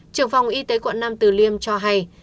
trưởng phòng y tế quận nam từ liêm cho hay